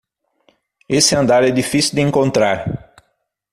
Esse andar é difícil de encontrar